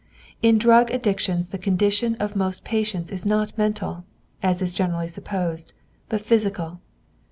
In drug addictions the condition of the patient is not mental, as is generally supposed, but physical.